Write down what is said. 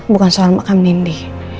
bukan soal makan nindy